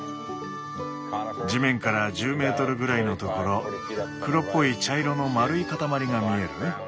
地面から１０メートルぐらいのところ黒っぽい茶色の丸い塊が見える？